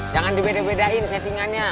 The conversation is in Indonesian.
jangan dibedain bedain settingannya